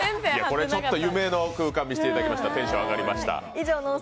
これ夢の空間を見せていただきました、テンション上がりました。